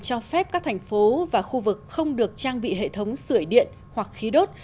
cho phép các thành phố và khu vực không được trang bị hệ thống sửa điện hoặc khí đốt